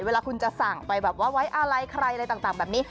เวลาคุณจะสั่งไปแบบว่าไว้อะไรใครอะไรต่างแบบนี้